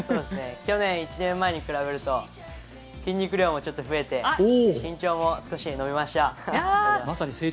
去年１年前に比べると筋肉量も増えて身長も少し伸びました。